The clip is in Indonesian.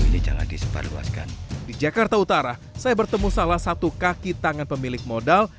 di jakarta utara saya bertemu salah satu kaki tangan pemilik modal